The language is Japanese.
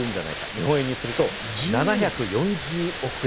日本円にすると７４０億円。